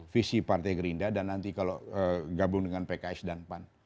visi partai gerinda dan nanti kalau gabung dengan pks dan pan